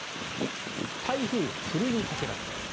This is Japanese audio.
台風がふるいにかけられる。